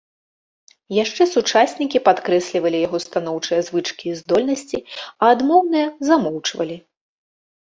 Яшчэ сучаснікі падкрэслівалі яго станоўчыя звычкі і здольнасці, а адмоўныя замоўчвалі.